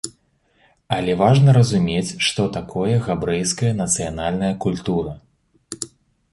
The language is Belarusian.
Але важна разумець, што такое габрэйская нацыянальная культура.